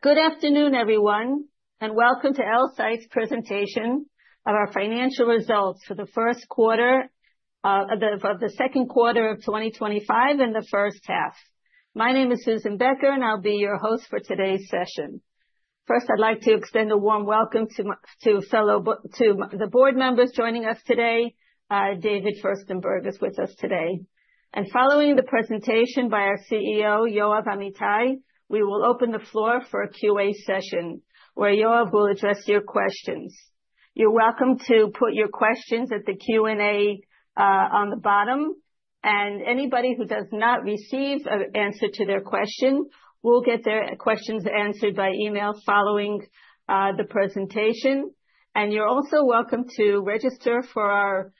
Good afternoon, everyone, and welcome to Elsight's presentation of our financial results for the first quarter of the second quarter of 2025 and the first half. My name is Susan Becker, and I'll be your host for today's session. First, I'd like to extend a warm welcome to the board members joining us today. David Furstenberg is with us today. And following the presentation by our CEO, Yoav Amitai, we will open the floor for a Q&A session where Yoav will address your questions. You're welcome to put your questions at the Q&A on the bottom. And anybody who does not receive an answer to their question will get their questions answered by email following the presentation. And you're also welcome to register for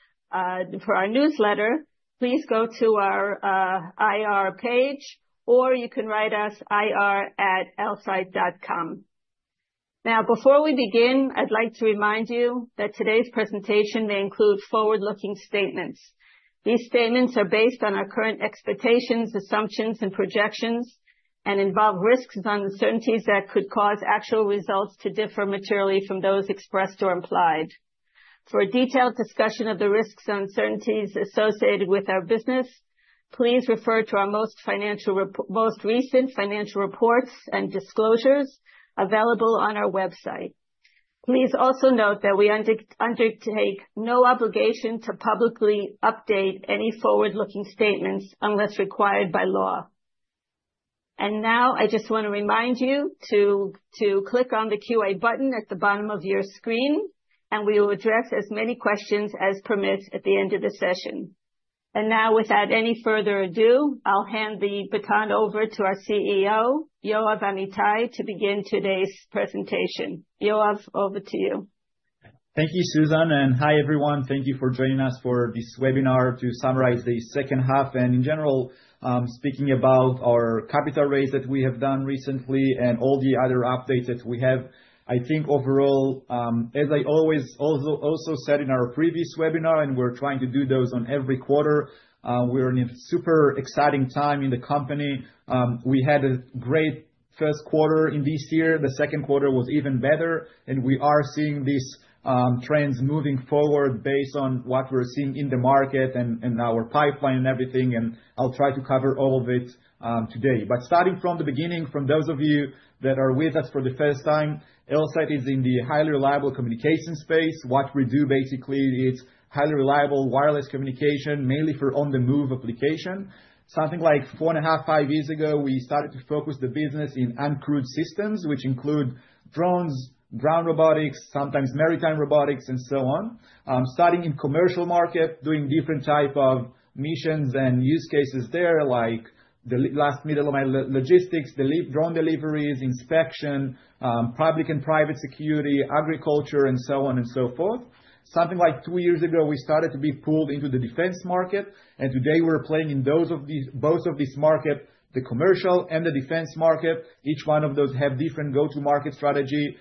our newsletter. Please go to our IR page, or you can write us to ir@elsight.com. Now, before we begin, I'd like to remind you that today's presentation may include forward-looking statements. These statements are based on our current expectations, assumptions, and projections, and involve risks and uncertainties that could cause actual results to differ materially from those expressed or implied. For a detailed discussion of the risks and uncertainties associated with our business, please refer to our most recent financial reports and disclosures available on our website. Please also note that we undertake no obligation to publicly update any forward-looking statements unless required by law, and now I just want to remind you to click on the Q&A button at the bottom of your screen, and we will address as many questions as permitted at the end of the session, and now, without any further ado, I'll hand the baton over to our CEO, Yoav Amitai, to begin today's presentation. Yoav, over to you. Thank you, Susan. Hi, everyone. Thank you for joining us for this webinar to summarize the second half and, in general, speaking about our capital raise that we have done recently and all the other updates that we have. I think overall, as I always also said in our previous webinar, and we're trying to do those on every quarter, we're in a super exciting time in the company. We had a great first quarter in this year. The second quarter was even better. We are seeing these trends moving forward based on what we're seeing in the market and our pipeline and everything. I'll try to cover all of it today. Starting from the beginning, for those of you that are with us for the first time, Elsight is in the highly reliable communication space. What we do basically is highly reliable wireless communication, mainly for on-the-move application. Something like four and a half, five years ago, we started to focus the business in uncrewed systems, which include drones, ground robotics, sometimes maritime robotics, and so on. Starting in commercial market, doing different types of missions and use cases there, like last-mile logistics, the drone deliveries, inspection, public and private security, agriculture, and so on and so forth. Something like two years ago, we started to be pulled into the defense market, and today we're playing in both of these markets, the commercial and the defense market. Each one of those has a different go-to-market strategy,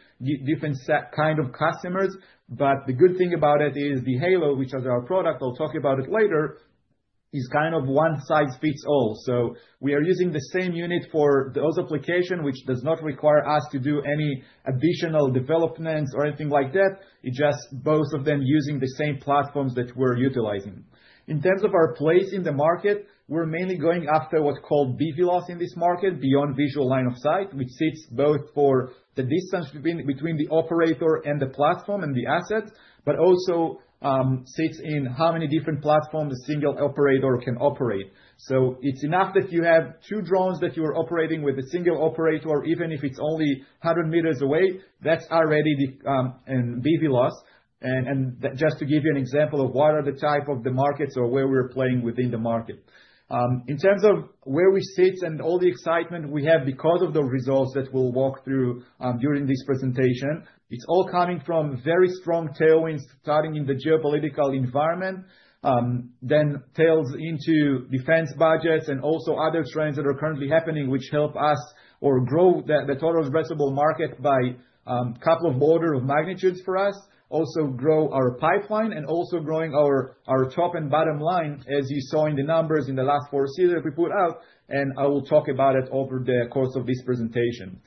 different kinds of customers, but the good thing about it is the Halo, which is our product. I'll talk about it later. It's kind of one size fits all. So we are using the same unit for those applications, which does not require us to do any additional developments or anything like that. It's just both of them using the same platforms that we're utilizing. In terms of our place in the market, we're mainly going after what's called BVLOS in this market, Beyond Visual Line of Sight, which sits both for the distance between the operator and the platform and the asset, but also sits in how many different platforms a single operator can operate. So it's enough that you have two drones that you're operating with a single operator, even if it's only 100 meters away. That's already BVLOS. And just to give you an example of what are the types of the markets or where we're playing within the market. In terms of where we sit and all the excitement we have because of the results that we'll walk through during this presentation, it's all coming from very strong tailwinds starting in the geopolitical environment, then tails into defense budgets and also other trends that are currently happening, which help us grow the total addressable market by a couple of orders of magnitude for us, also grow our pipeline, and also growing our top and bottom line, as you saw in the numbers in the last four seasons that we put out. And I will talk about it over the course of this presentation.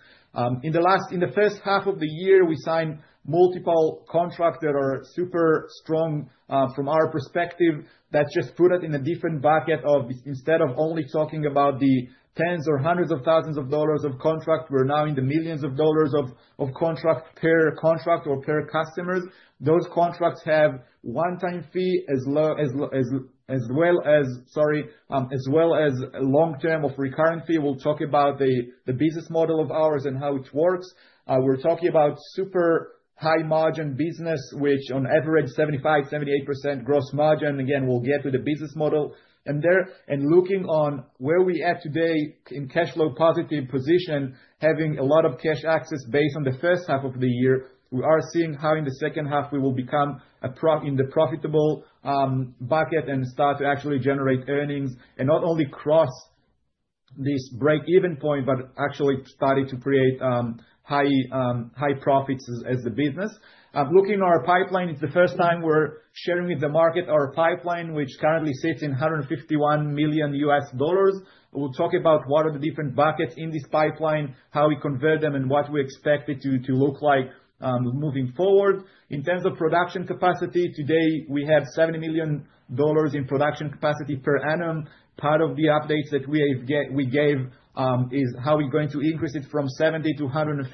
In the first half of the year, we signed multiple contracts that are super strong from our perspective that just put us in a different bucket of, instead of only talking about the tens or hundreds of thousands of dollars of contracts, we're now in the millions of dollars of contract per contract or per customers. Those contracts have one-time fee as well as, sorry, as well as long-term recurrent fee. We'll talk about the business model of ours and how it works. We're talking about super high-margin business, which on average 75%, 78% gross margin. Again, we'll get to the business model in there. Looking on where we are today in cash flow positive position, having a lot of cash access based on the first half of the year, we are seeing how in the second half we will become in the profitable bucket and start to actually generate earnings and not only cross this break-even point, but actually starting to create high profits as the business. Looking at our pipeline, it's the first time we're sharing with the market our pipeline, which currently sits in $151 million. We'll talk about what are the different buckets in this pipeline, how we convert them, and what we expect it to look like moving forward. In terms of production capacity, today we have $70 million in production capacity per annum. Part of the updates that we gave is how we're going to increase it from $70 million-$150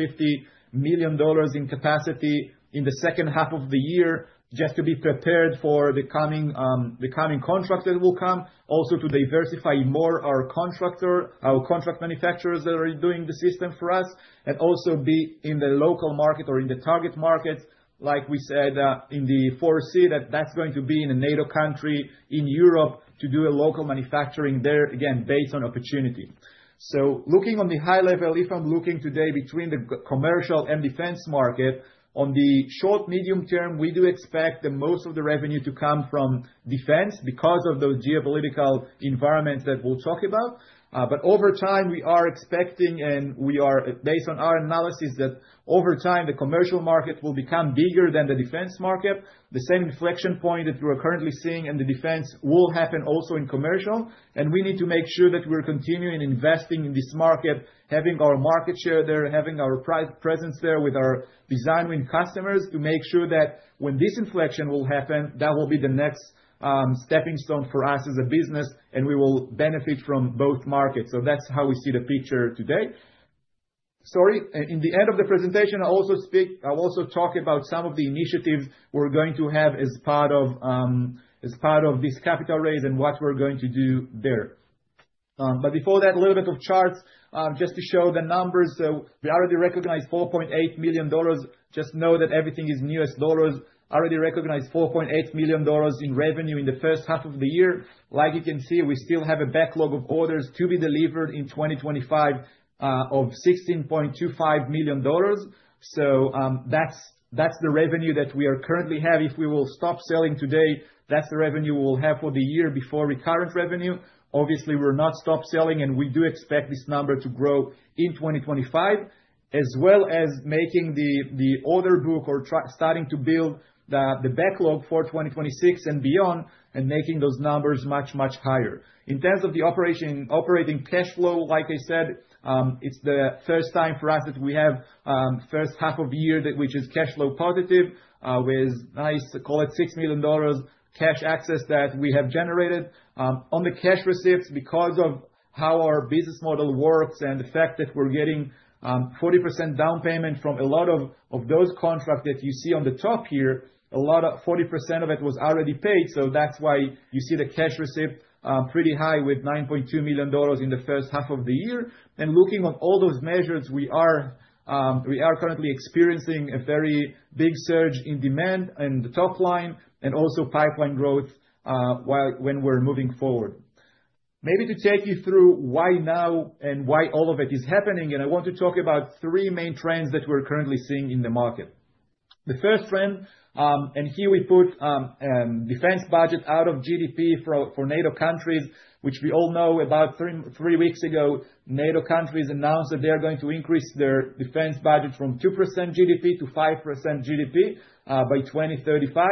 million in capacity in the second half of the year just to be prepared for the coming contractor that will come, also to diversify more our contractor, our contract manufacturers that are doing the system for us, and also be in the local market or in the target markets, like we said in the fourth slide, that that's going to be in a NATO country in Europe to do a local manufacturing there, again, based on opportunity. So looking on the high level, if I'm looking today between the commercial and defense market, on the short, medium term, we do expect most of the revenue to come from defense because of those geopolitical environments that we'll talk about. Over time, we are expecting and based on our analysis that over time, the commercial market will become bigger than the defense market. The same inflection point that we're currently seeing in the defense will happen also in commercial. We need to make sure that we're continuing investing in this market, having our market share there, having our presence there with our design-win customers to make sure that when this inflection will happen, that will be the next stepping stone for us as a business, and we will benefit from both markets. That's how we see the picture today. Sorry, at the end of the presentation, I'll also talk about some of the initiatives we're going to have as part of this capital raise and what we're going to do there. Before that, a little bit of charts just to show the numbers. So we already recognized $4.8 million. Just know that everything is U.S. dollars. Already recognized $4.8 million in revenue in the first half of the year. Like you can see, we still have a backlog of orders to be delivered in 2025 of $16.25 million. So that's the revenue that we are currently having. If we will stop selling today, that's the revenue we'll have for the year before recurrent revenue. Obviously, we're not stop selling, and we do expect this number to grow in 2025, as well as making the order book or starting to build the backlog for 2026 and beyond and making those numbers much, much higher. In terms of the operating cash flow, like I said, it's the first time for us that we have the first half of the year, which is cash flow positive, with nice, call it $6 million cash access that we have generated. On the cash receipts, because of how our business model works and the fact that we're getting 40% down payment from a lot of those contracts that you see on the top here, a lot of 40% of it was already paid. So that's why you see the cash receipt pretty high with $9.2 million in the first half of the year. And looking at all those measures, we are currently experiencing a very big surge in demand and the top line and also pipeline growth when we're moving forward. Maybe to take you through why now and why all of it is happening, and I want to talk about three main trends that we're currently seeing in the market. The first trend, and here we put defense budget out of GDP for NATO countries, which we all know about three weeks ago, NATO countries announced that they're going to increase their defense budget from 2% GDP to 5% GDP by 2035.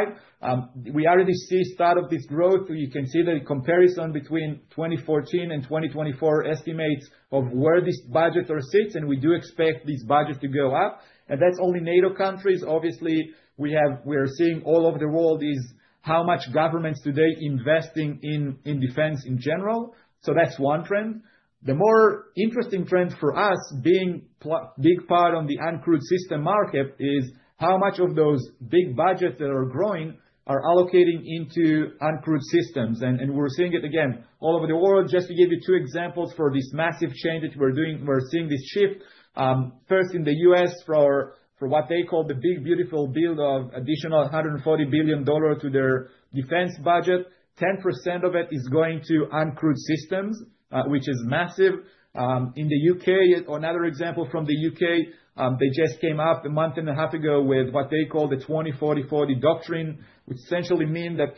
We already see start of this growth. You can see the comparison between 2014 and 2024 estimates of where this budget sits, and we do expect this budget to go up. And that's only NATO countries. Obviously, we are seeing all over the world is how much governments today are investing in defense in general. So that's one trend. The more interesting trend for us, being a big part of the uncrewed system market, is how much of those big budgets that are growing are allocating into uncrewed systems, and we're seeing it again all over the world. Just to give you two examples for this massive change that we're doing, we're seeing this shift. First, in the U.S., for what they call the big, beautiful build of additional $140 billion to their defense budget, 10% of it is going to uncrewed systems, which is massive. In the U.K., another example from the U.K., they just came up a month and a half ago with what they call the 20-40-40 doctrine, which essentially means that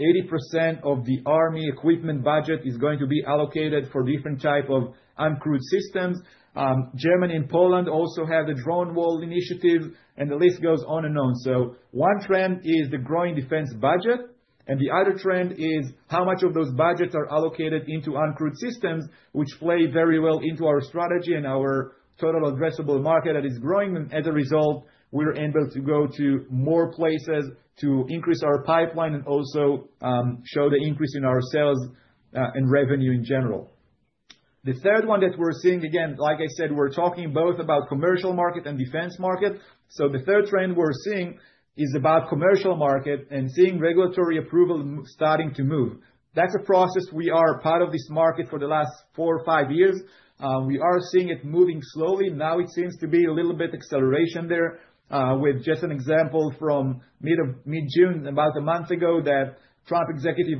80% of the army equipment budget is going to be allocated for different types of uncrewed systems. Germany and Poland also have the Drone Wall Initiative, and the list goes on and on. So one trend is the growing defense budget, and the other trend is how much of those budgets are allocated into uncrewed systems, which play very well into our strategy and our total addressable market that is growing. And as a result, we're able to go to more places to increase our pipeline and also show the increase in our sales and revenue in general. The third one that we're seeing, again, like I said, we're talking both about the commercial market and defense market. So the third trend we're seeing is about the commercial market and seeing regulatory approval starting to move. That's a process we are part of this market for the last four or five years. We are seeing it moving slowly. Now it seems to be a little bit of acceleration there, with just an example from mid-June, about a month ago, that Trump executive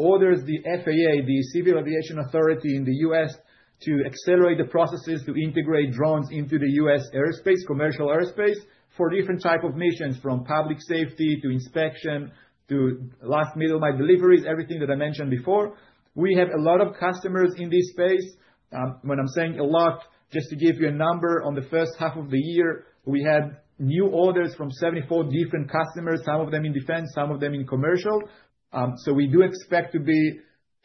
orders the FAA, the Civil Aviation Authority in the U.S., to accelerate the processes to integrate drones into the U.S. airspace, commercial airspace, for different types of missions from public safety to inspection to last-mile deliveries, everything that I mentioned before. We have a lot of customers in this space. When I'm saying a lot, just to give you a number on the first half of the year, we had new orders from 74 different customers, some of them in defense, some of them in commercial. So we do expect to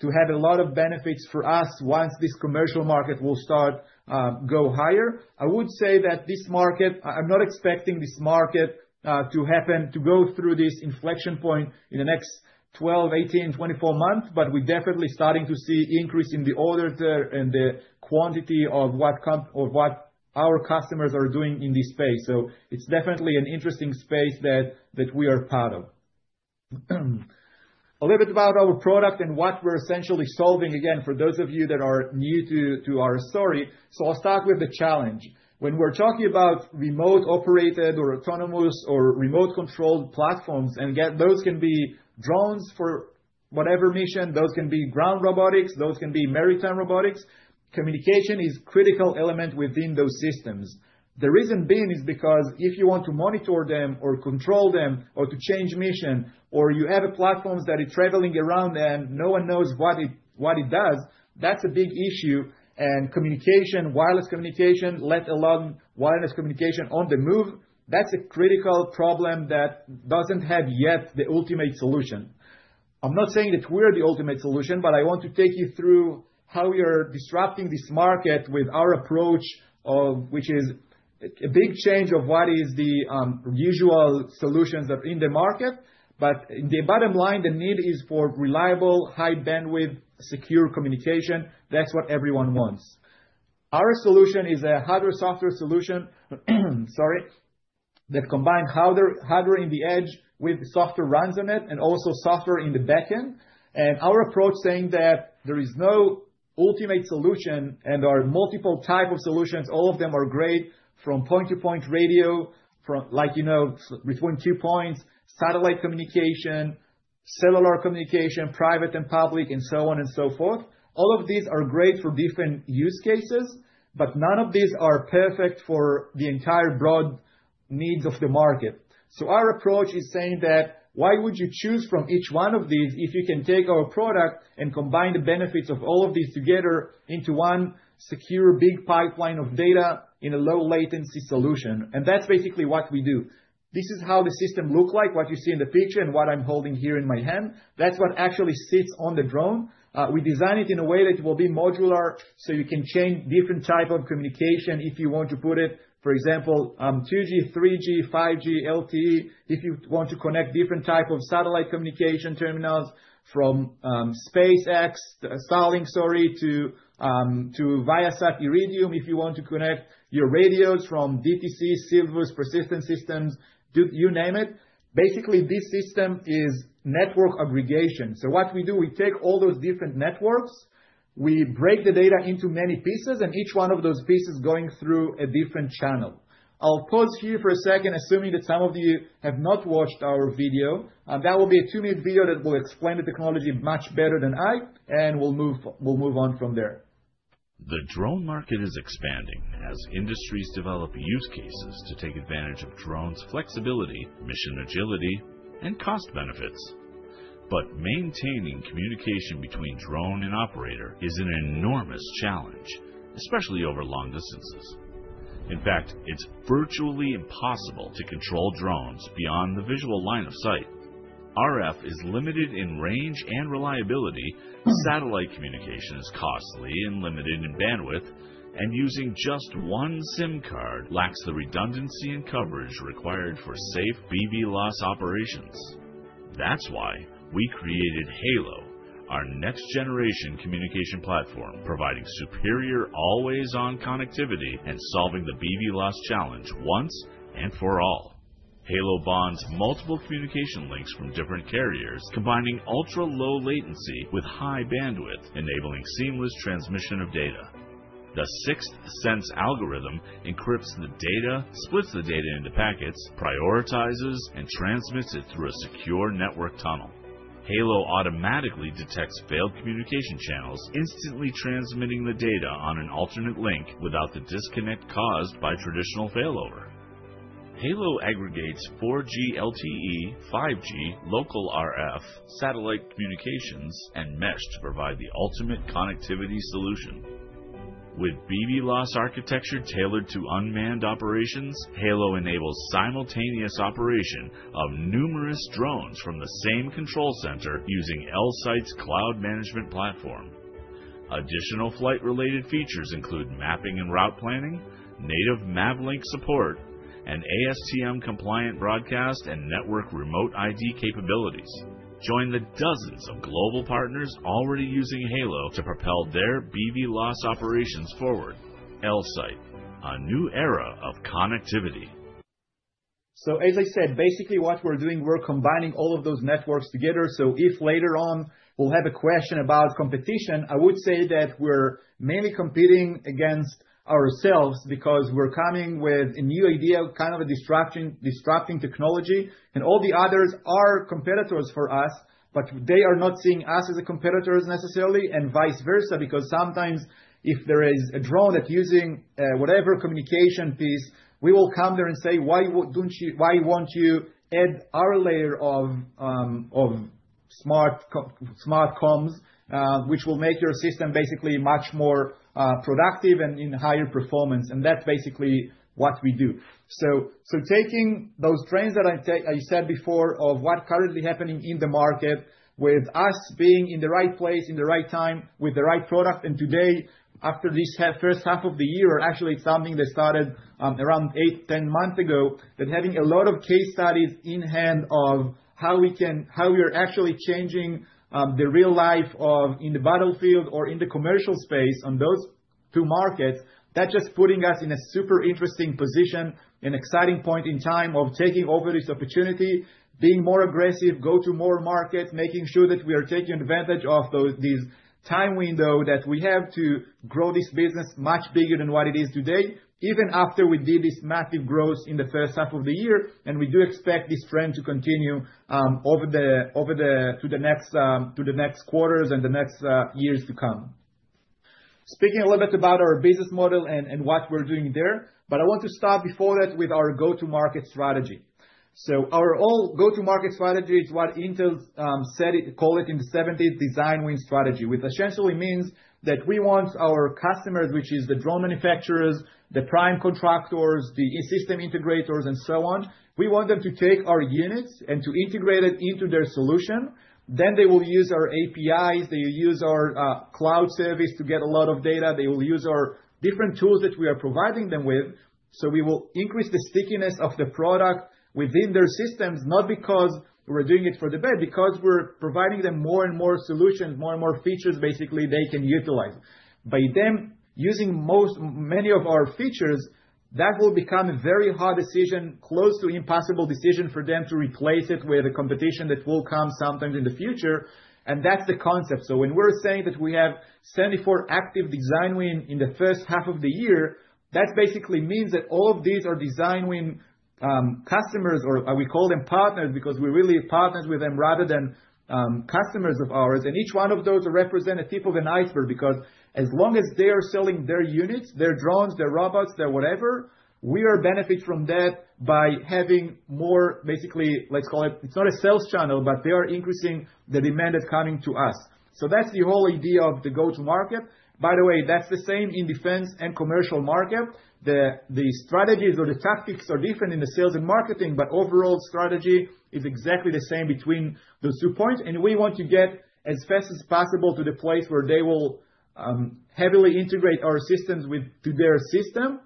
have a lot of benefits for us once this commercial market will start to go higher. I would say that this market. I'm not expecting this market to happen, to go through this inflection point in the next 12, 18, 24 months, but we're definitely starting to see an increase in the orders there and the quantity of what our customers are doing in this space. So it's definitely an interesting space that we are part of. A little bit about our product and what we're essentially solving, again, for those of you that are new to our story. So I'll start with the challenge. When we're talking about remote-operated or autonomous or remote-controlled platforms, and those can be drones for whatever mission, those can be ground robotics, those can be maritime robotics. Communication is a critical element within those systems. The reason being is because if you want to monitor them or control them or to change mission, or you have platforms that are traveling around and no one knows what it does, that's a big issue, and communication, wireless communication, let alone wireless communication on the move, that's a critical problem that doesn't have yet the ultimate solution. I'm not saying that we're the ultimate solution, but I want to take you through how we are disrupting this market with our approach, which is a big change of what is the usual solutions that are in the market, but in the bottom line, the need is for reliable, high-bandwidth, secure communication. That's what everyone wants. Our solution is a hardware-software solution, sorry, that combines hardware in the edge with software runs on it and also software in the backend. Our approach is saying that there is no ultimate solution and there are multiple types of solutions. All of them are great from point-to-point radio, like between two points, satellite communication, cellular communication, private and public, and so on and so forth. All of these are great for different use cases, but none of these are perfect for the entire broad needs of the market. Our approach is saying that why would you choose from each one of these if you can take our product and combine the benefits of all of these together into one secure big pipeline of data in a low-latency solution? That's basically what we do. This is how the system looks like, what you see in the picture and what I'm holding here in my hand. That's what actually sits on the drone. We designed it in a way that it will be modular so you can change different types of communication if you want to put it, for example, 2G, 3G, 5G, LTE, if you want to connect different types of satellite communication terminals from SpaceX, Starlink, sorry, to Viasat, Iridium if you want to connect your radios from DTC, Silvus, Persistent Systems, you name it. Basically, this system is network aggregation. So what we do, we take all those different networks, we break the data into many pieces, and each one of those pieces is going through a different channel. I'll pause here for a second, assuming that some of you have not watched our video. That will be a two-minute video that will explain the technology much better than I, and we'll move on from there. The drone market is expanding as industries develop use cases to take advantage of drones' flexibility, mission agility, and cost benefits. But maintaining communication between drone and operator is an enormous challenge, especially over long distances. In fact, it's virtually impossible to control drones beyond the visual line of sight. RF is limited in range and reliability, satellite communication is costly and limited in bandwidth, and using just one SIM card lacks the redundancy and coverage required for safe BVLOS operations. That's why we created Halo, our next-generation communication platform, providing superior always-on connectivity and solving the BVLOS challenge once and for all. Halo bonds multiple communication links from different carriers, combining ultra-low latency with high bandwidth, enabling seamless transmission of data. The Sixth Sense algorithm encrypts the data, splits the data into packets, prioritizes, and transmits it through a secure network tunnel. Halo automatically detects failed communication channels, instantly transmitting the data on an alternate link without the disconnect caused by traditional failover. Halo aggregates 4G LTE, 5G, local RF, satellite communications, and mesh to provide the ultimate connectivity solution. With BVLOS architecture tailored to unmanned operations, Halo enables simultaneous operation of numerous drones from the same control center using Elsight's cloud management platform. Additional flight-related features include mapping and route planning, native MAVLink support, and ASTM-compliant broadcast and network remote ID capabilities. Join the dozens of global partners already using Halo to propel their BVLOS operations forward. Elsight, a new era of connectivity. As I said, basically what we're doing, we're combining all of those networks together. So if later on we'll have a question about competition, I would say that we're mainly competing against ourselves because we're coming with a new idea, kind of a disrupting technology, and all the others are competitors for us, but they are not seeing us as competitors necessarily, and vice versa, because sometimes if there is a drone that's using whatever communication piece, we will come there and say, "Why don't you add our layer of smart comms, which will make your system basically much more productive and in higher performance?" And that's basically what we do. So taking those trends that I said before of what's currently happening in the market with us being in the right place, in the right time, with the right product, and today, after this first half of the year, actually it's something that started around eight, 10 months ago, that having a lot of case studies in hand of how we are actually changing the real life in the battlefield or in the commercial space on those two markets, that's just putting us in a super interesting position, an exciting point in time of taking over this opportunity, being more aggressive, go to more markets, making sure that we are taking advantage of this time window that we have to grow this business much bigger than what it is today. Even after we did this massive growth in the first half of the year, and we do expect this trend to continue over the next quarters and the next years to come. Speaking a little bit about our business model and what we're doing there, but I want to start before that with our go-to-market strategy. Our overall go-to-market strategy is what Intel called it in the '70s, design win strategy, which essentially means that we want our customers, which are the drone manufacturers, the prime contractors, the system integrators, and so on, we want them to take our units and to integrate it into their solution. Then they will use our APIs, they will use our cloud service to get a lot of data, they will use our different tools that we are providing them with. We will increase the stickiness of the product within their systems, not because we're doing it for the hell of it, because we're providing them more and more solutions, more and more features basically they can utilize. By them using many of our features, that will become a very hard decision, close to impossible decision for them to replace it with a competition that will come sometimes in the future, and that's the concept. So when we're saying that we have 74 active design win in the first half of the year, that basically means that all of these are design win customers, or we call them partners because we're really partners with them rather than customers of ours, and each one of those represents a tip of an iceberg because as long as they are selling their units, their drones, their robots, their whatever, we are benefiting from that by having more, basically, let's call it, it's not a sales channel, but they are increasing the demand that's coming to us. So that's the whole idea of the go-to-market. By the way, that's the same in defense and commercial market. The strategies or the tactics are different in the sales and marketing, but overall strategy is exactly the same between those two points, and we want to get as fast as possible to the place where they will heavily integrate our systems to their system,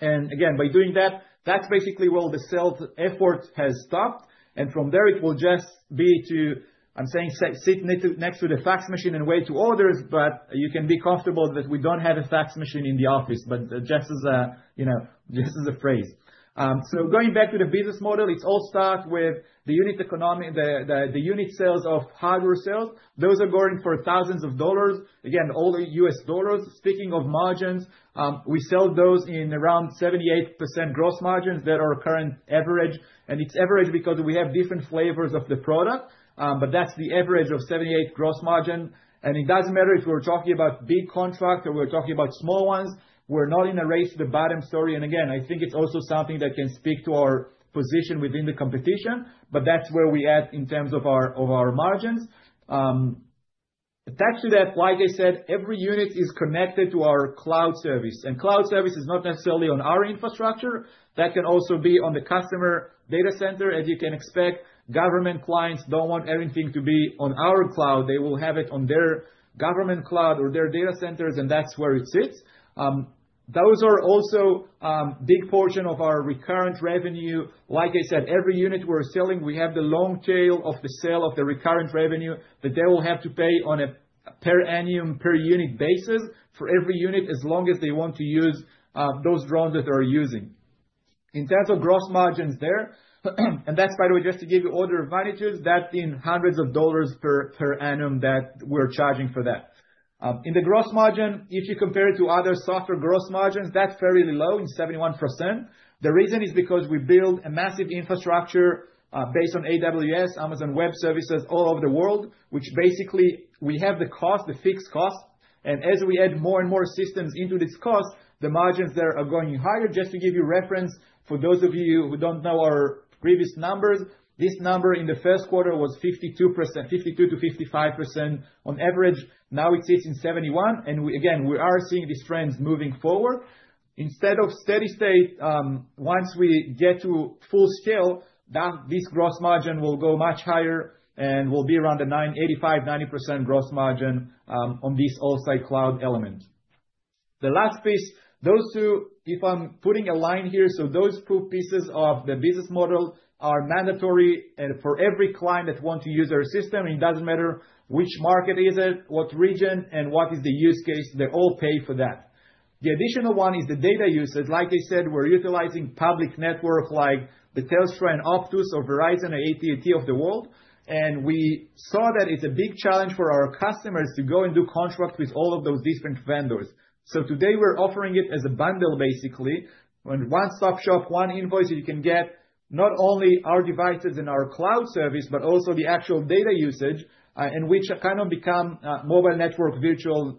and again, by doing that, that's basically where the sales effort has stopped, and from there it will just be to, I'm saying, sit next to the fax machine and wait for orders, but you can be comfortable that we don't have a fax machine in the office, but just as a phrase, so going back to the business model, it's all start with the unit economy, the unit sales of hardware sales. Those are going for thousands of dollars, again, all the U.S. dollars. Speaking of margins, we sell those in around 78% gross margins that are current average, and it's average because we have different flavors of the product, but that's the average of 78% gross margin, and it doesn't matter if we're talking about big contracts or we're talking about small ones. We're not in a race to the bottom, sorry, and again, I think it's also something that can speak to our position within the competition, but that's where we add in terms of our margins. Attached to that, like I said, every unit is connected to our cloud service, and cloud service is not necessarily on our infrastructure. That can also be on the customer data center, as you can expect. Government clients don't want everything to be on our cloud. They will have it on their government cloud or their data centers, and that's where it sits. Those are also a big portion of our recurring revenue. Like I said, every unit we're selling, we have the long tail of the sale of the recurring revenue that they will have to pay on a per annum, per unit basis for every unit as long as they want to use those drones that they're using. In terms of gross margins there, and that's, by the way, just to give you order of magnitude, that's in hundreds of dollars per annum that we're charging for that. In the gross margin, if you compare it to other software gross margins, that's fairly low at 71%. The reason is because we build a massive infrastructure based on AWS, Amazon Web Services all over the world, which basically we have the cost, the fixed cost, and as we add more and more systems into this cost, the margins there are going higher. Just to give you reference, for those of you who don't know our previous numbers, this number in the first quarter was 52%, 52%-55% on average. Now it sits in 71%, and again, we are seeing these trends moving forward. Instead of steady state, once we get to full scale, this gross margin will go much higher and will be around the 85%-90% gross margin on this Elsight cloud element. The last piece, those two, if I'm putting a line here, so those two pieces of the business model are mandatory for every client that wants to use our system, and it doesn't matter which market it is, what region, and what is the use case, they all pay for that. The additional one is the data usage. Like I said, we're utilizing public networks like the Telstra and Optus or Verizon AT&T of the world, and we saw that it's a big challenge for our customers to go and do contracts with all of those different vendors. So today we're offering it as a bundle, basically, one-stop shop, one invoice, you can get not only our devices and our cloud service, but also the actual data usage, which kind of becomes a mobile network, virtual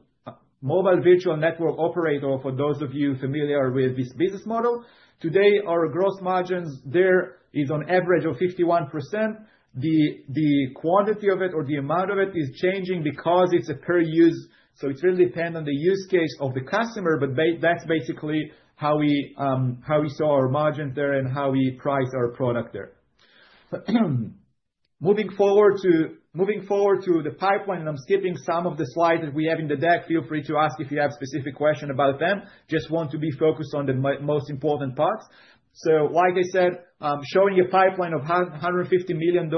mobile network operator for those of you familiar with this business model. Today, our gross margins there are on average of 51%. The quantity of it or the amount of it is changing because it's a per-use, so it really depends on the use case of the customer, but that's basically how we saw our margins there and how we price our product there. Moving forward to the pipeline, and I'm skipping some of the slides that we have in the deck. Feel free to ask if you have specific questions about them. Just want to be focused on the most important parts, so like I said, I'm showing a pipeline of $150 million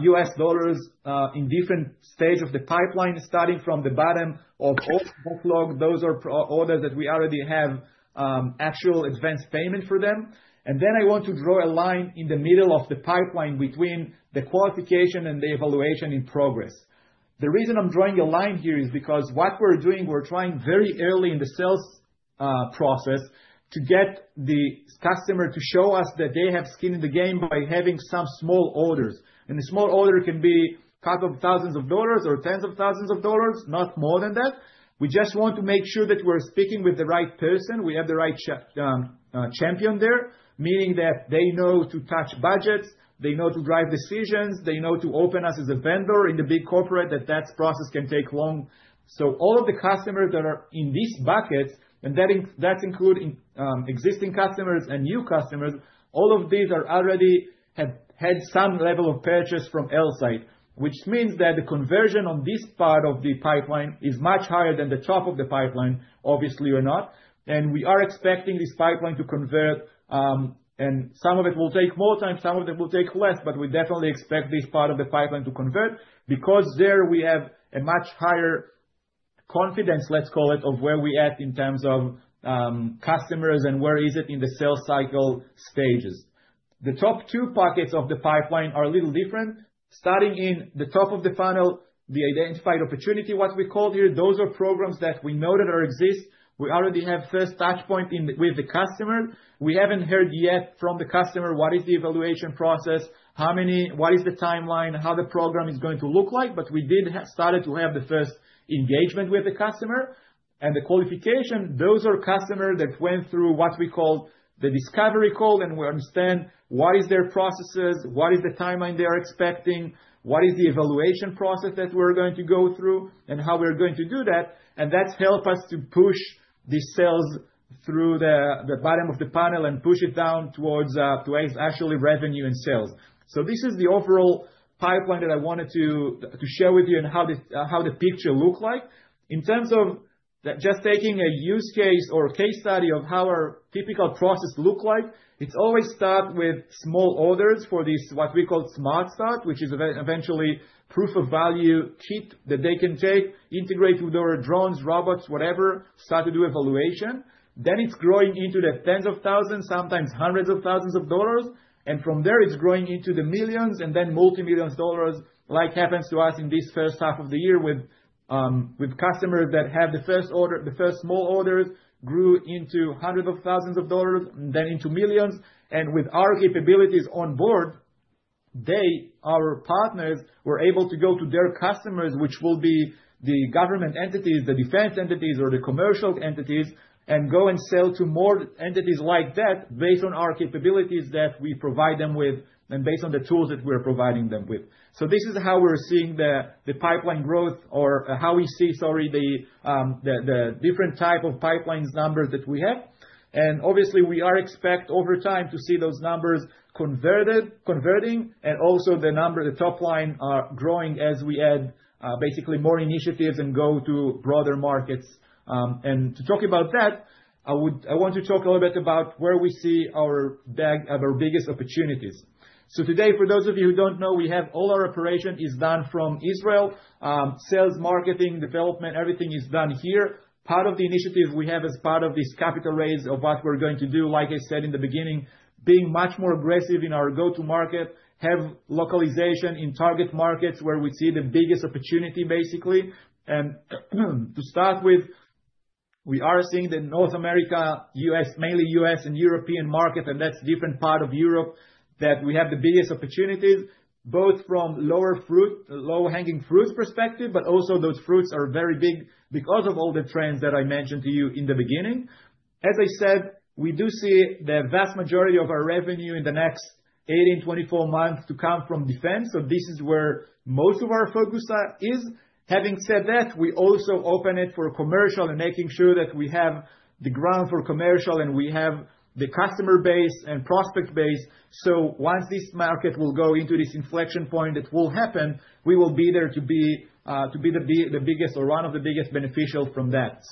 U.S. dollars in different stages of the pipeline, starting from the bottom of all logs. Those are orders that we already have actual advance payment for them, and then I want to draw a line in the middle of the pipeline between the qualification and the evaluation in progress. The reason I'm drawing a line here is because what we're doing, we're trying very early in the sales process to get the customer to show us that they have skin in the game by having some small orders. And a small order can be a couple of thousands of dollars or tens of thousands of dollars, not more than that. We just want to make sure that we're speaking with the right person, we have the right champion there, meaning that they know to touch budgets, they know to drive decisions, they know to open us as a vendor in the big corporate, that that process can take long. So all of the customers that are in these buckets, and that includes existing customers and new customers, all of these already have had some level of purchase from Elsight, which means that the conversion on this part of the pipeline is much higher than the top of the pipeline, obviously or not. We are expecting this pipeline to convert, and some of it will take more time, some of it will take less, but we definitely expect this part of the pipeline to convert because there we have a much higher confidence, let's call it, of where we're at in terms of customers and where it is in the sales cycle stages. The top two buckets of the pipeline are a little different. Starting in the top of the funnel, the identified opportunity, what we call here, those are programs that we know that exist. We already have first touch point with the customer. We haven't heard yet from the customer what is the evaluation process, what is the timeline, how the program is going to look like, but we did start to have the first engagement with the customer. The qualification, those are customers that went through what we call the discovery call, and we understand what are their processes, what is the timeline they're expecting, what is the evaluation process that we're going to go through, and how we're going to do that, and that's helped us to push the sales through the bottom of the funnel and push it down towards actually revenue and sales. This is the overall pipeline that I wanted to share with you and how the picture looks like. In terms of just taking a use case or case study of how our typical process looks like, it's always start with small orders for this, what we call Smart Start, which is eventually proof of value kit that they can take, integrate with our drones, robots, whatever, start to do evaluation. Then it's growing into the tens of thousands, sometimes hundreds of thousands of dollars, and from there it's growing into the millions and then multi-millions of dollars, like happens to us in this first half of the year with customers that have the first order, the first small orders grew into hundreds of thousands of dollars, then into millions, and with our capabilities on board, they, our partners, were able to go to their customers, which will be the government entities, the defense entities, or the commercial entities, and go and sell to more entities like that based on our capabilities that we provide them with and based on the tools that we're providing them with. So this is how we're seeing the pipeline growth or how we see, sorry, the different type of pipelines numbers that we have. And obviously, we are expecting over time to see those numbers converting, and also the number, the top line are growing as we add basically more initiatives and go to broader markets. And to talk about that, I want to talk a little bit about where we see our biggest opportunities. Today, for those of you who don't know, we have all our operation is done from Israel. Sales, marketing, development, everything is done here. Part of the initiatives we have as part of this capital raise of what we're going to do, like I said in the beginning, being much more aggressive in our go-to-market, have localization in target markets where we see the biggest opportunity basically. To start with, we are seeing the North America, U.S., mainly U.S. and European market, and that's a different part of Europe that we have the biggest opportunities, both from low-hanging fruit, low-hanging fruits perspective, but also those fruits are very big because of all the trends that I mentioned to you in the beginning. As I said, we do see the vast majority of our revenue in the next 18-24 months to come from defense. This is where most of our focus is. Having said that, we also open it for commercial and making sure that we have the ground for commercial and we have the customer base and prospect base. Once this market will go into this inflection point that will happen, we will be there to be the biggest or one of the biggest beneficiaries from that.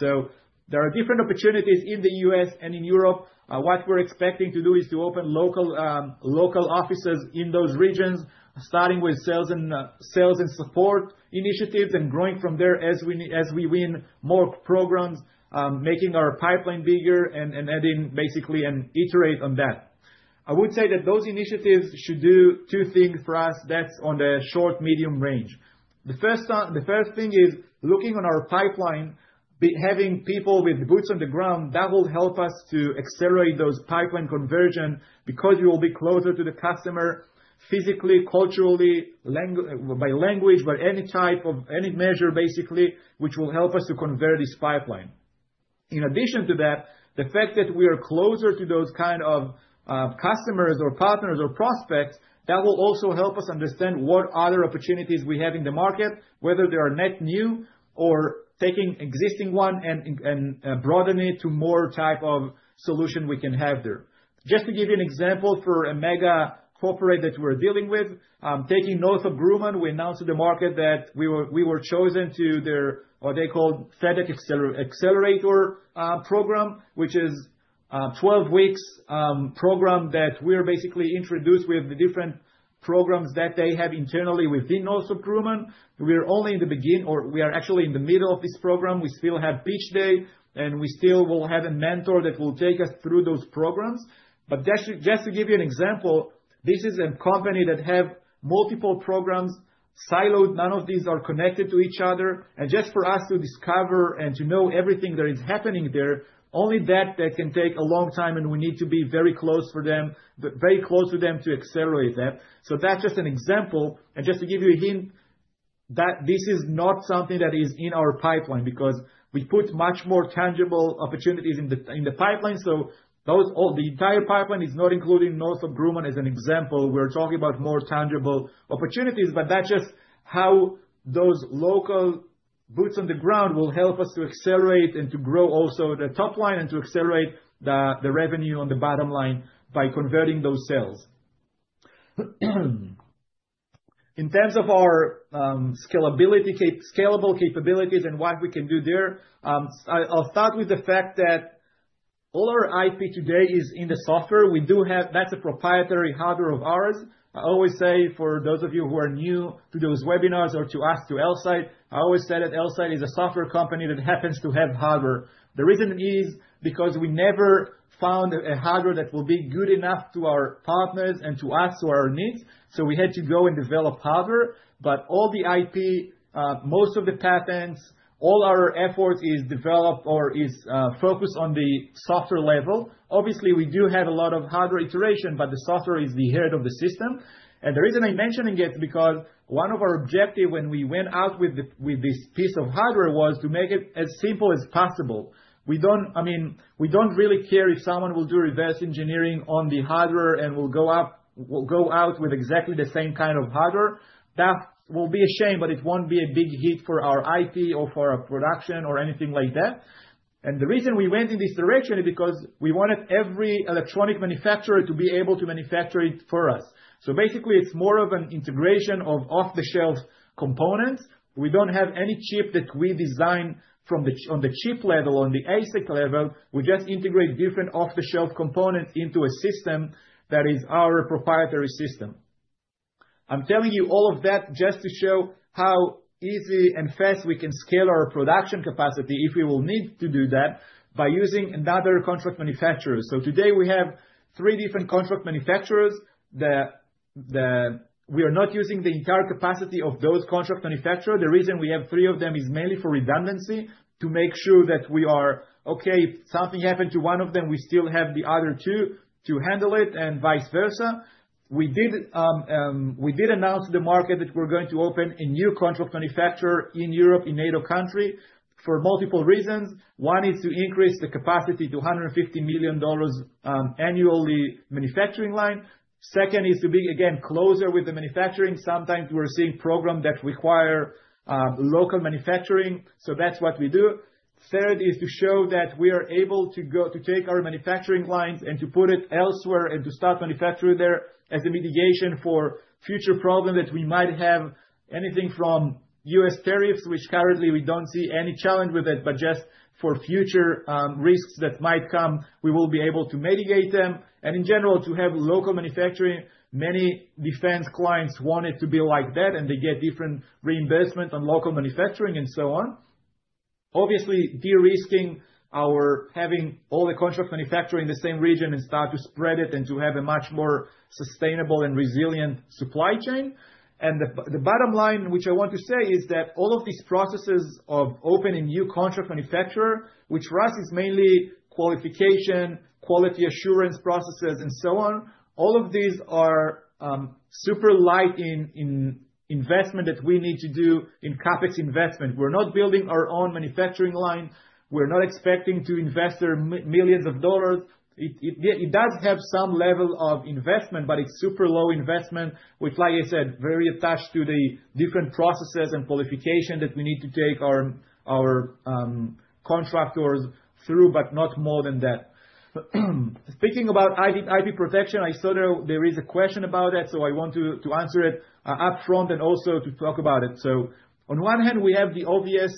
There are different opportunities in the U.S. and in Europe. What we're expecting to do is to open local offices in those regions, starting with sales and support initiatives and growing from there as we win more programs, making our pipeline bigger and adding, basically, and iterate on that. I would say that those initiatives should do two things for us. That's on the short, medium range. The first thing is looking on our pipeline, having people with boots on the ground, that will help us to accelerate those pipeline conversions because we will be closer to the customer physically, culturally, by language, by any type of any measure basically, which will help us to convert this pipeline. In addition to that, the fact that we are closer to those kind of customers or partners or prospects, that will also help us understand what other opportunities we have in the market, whether they are net new or taking existing one and broaden it to more type of solution we can have there. Just to give you an example for a mega corporate that we're dealing with, taking Northrop Grumman, we announced to the market that we were chosen to their, what they call, FedTech Accelerator Program, which is a 12-week program that we're basically introduced with the different programs that they have internally within Northrop Grumman. We're only in the beginning or we are actually in the middle of this program. We still have pitch day and we still will have a mentor that will take us through those programs. But just to give you an example, this is a company that has multiple programs siloed. None of these are connected to each other. And just for us to discover and to know everything that is happening there, only that can take a long time and we need to be very close for them, very close to them to accelerate that. So that's just an example. And just to give you a hint, this is not something that is in our pipeline because we put much more tangible opportunities in the pipeline. So the entire pipeline is not including Northrop Grumman as an example. We're talking about more tangible opportunities, but that's just how those local boots on the ground will help us to accelerate and to grow also the top line and to accelerate the revenue on the bottom line by converting those sales. In terms of our scalable capabilities and what we can do there, I'll start with the fact that all our IP today is in the software. We do have; that's a proprietary hardware of ours. I always say for those of you who are new to those webinars or to us, to Elsight, I always said that Elsight is a software company that happens to have hardware. The reason is because we never found a hardware that will be good enough to our partners and to us or our needs. So we had to go and develop hardware. But all the IP, most of the patents, all our efforts are developed or focused on the software level. Obviously, we do have a lot of hardware iteration, but the software is the head of the system. The reason I'm mentioning it is because one of our objectives when we went out with this piece of hardware was to make it as simple as possible. I mean, we don't really care if someone will do reverse engineering on the hardware and will go out with exactly the same kind of hardware. That will be a shame, but it won't be a big hit for our IP or for our production or anything like that. The reason we went in this direction is because we wanted every electronic manufacturer to be able to manufacture it for us. So basically, it's more of an integration of off-the-shelf components. We don't have any chip that we design on the chip level, on the ASIC level. We just integrate different off-the-shelf components into a system that is our proprietary system. I'm telling you all of that just to show how easy and fast we can scale our production capacity if we will need to do that by using another contract manufacturer. So today we have three different contract manufacturers. We are not using the entire capacity of those contract manufacturers. The reason we have three of them is mainly for redundancy to make sure that we are okay. If something happened to one of them, we still have the other two to handle it and vice versa. We did announce to the market that we're going to open a new contract manufacturer in Europe, in NATO country, for multiple reasons. One is to increase the capacity to $150 million annually manufacturing line. Second is to be, again, closer with the manufacturing. Sometimes we're seeing programs that require local manufacturing. So that's what we do. Third is to show that we are able to take our manufacturing lines and to put it elsewhere and to start manufacturing there as a mitigation for future problems that we might have, anything from U.S. tariffs, which currently we don't see any challenge with it, but just for future risks that might come, we will be able to mitigate them, and in general, to have local manufacturing, many defense clients want it to be like that, and they get different reimbursement on local manufacturing and so on. Obviously, de-risking our having all the contract manufacturing in the same region and start to spread it and to have a much more sustainable and resilient supply chain. The bottom line, which I want to say, is that all of these processes of opening new contract manufacturers, which for us is mainly qualification, quality assurance processes, and so on, all of these are super light in investment that we need to do in CapEx investment. We're not building our own manufacturing line. We're not expecting to invest millions of dollars. It does have some level of investment, but it's super low investment. It's, like I said, very attached to the different processes and qualifications that we need to take our contractors through, but not more than that. Speaking about IP protection, I saw there is a question about that, so I want to answer it upfront and also to talk about it. On one hand, we have the obvious